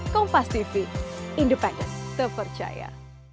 kompas tv independen terpercaya